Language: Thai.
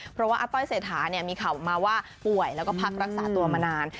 เพราะว่าอาต้อยเศรษฐามีข่าวออกมาว่าป่วยแล้วก็พักรักษาตัวมานาน